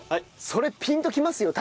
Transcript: それピンときますよ